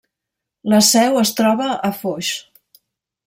La seu es troba a Foix.